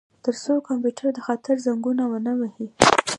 ترڅو کمپیوټر د خطر زنګونه ونه وهي